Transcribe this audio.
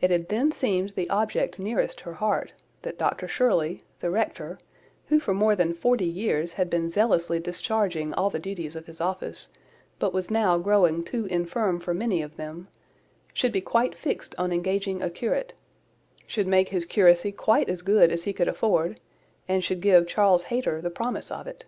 It had then seemed the object nearest her heart, that Dr Shirley, the rector, who for more than forty years had been zealously discharging all the duties of his office, but was now growing too infirm for many of them, should be quite fixed on engaging a curate; should make his curacy quite as good as he could afford, and should give Charles Hayter the promise of it.